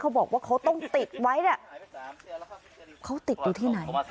เขาบอกว่าเขาต้องติดไว้เนี่ยเขาติดอยู่ที่ไหน